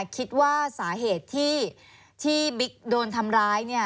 คิดว่าสาเหตุที่บิ๊กโดนทำร้ายเนี่ย